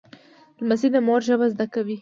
لمسی د مور ژبه زده کوي.